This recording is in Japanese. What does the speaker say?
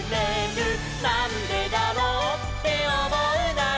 「なんでだろうっておもうなら」